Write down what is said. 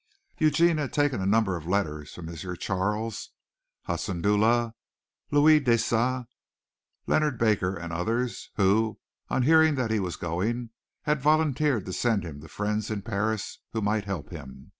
Eugene had taken a number of letters from M. Charles, Hudson Dula, Louis Deesa, Leonard Baker and others, who, on hearing that he was going, had volunteered to send him to friends in Paris who might help him.